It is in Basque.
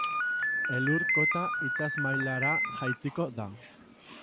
Elur-kota itsas mailara jaitsiko da.